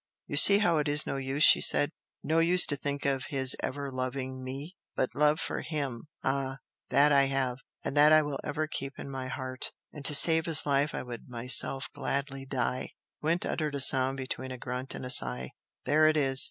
"You see how it is no use," she said. "No use to think of his ever loving ME! But love for HIM ah! that I have, and that I will ever keep in my heart! and to save his life I would myself gladly die!" Gwent uttered a sound between a grunt and a sigh. "There it is!